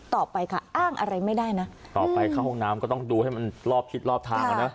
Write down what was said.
ต่อไปค่ะอ้างอะไรไม่ได้นะต่อไปเข้าห้องน้ำก็ต้องดูให้มันรอบทิศรอบทางอ่ะนะ